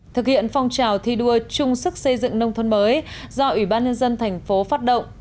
thực hiện phong trào thi đua chung sức xây dựng nông thôn mới do ủy ban nhân dân thành phố phát động